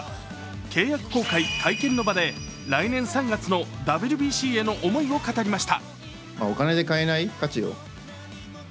契約更改会見の場で、来年３月のＷＢＣへの思いを語りました。